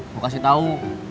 gue kasih tau